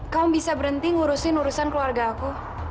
kau bisa berhenti ngurusin urusan keluarga aku